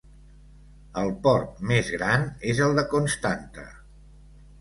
El port més gran és el de Constanta.